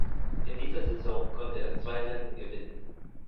In dieser Saison konnte er zwei Rennen gewinnen.